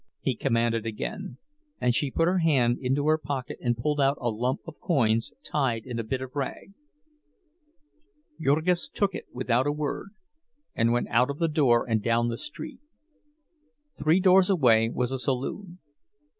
he commanded again, and she put her hand into her pocket and pulled out a lump of coins tied in a bit of rag. Jurgis took it without a word, and went out of the door and down the street. Three doors away was a saloon.